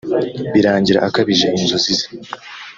birangira akabije inzozi ze